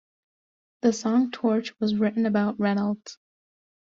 The song "Torch" was written about Reynolds.